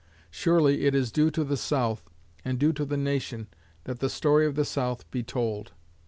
Surely it is due to the South and due to the Nation that the story of the South be told.